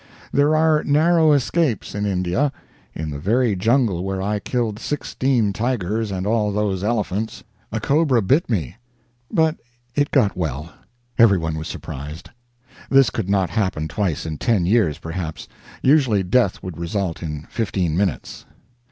There are narrow escapes in India. In the very jungle where I killed sixteen tigers and all those elephants, a cobra bit me but it got well; everyone was surprised. This could not happen twice in ten years, perhaps. Usually death would result in fifteen minutes.